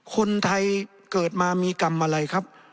คนไทยเกิดมามีกรรมอะไรครับ